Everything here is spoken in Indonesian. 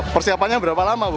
persiapannya berapa lama bu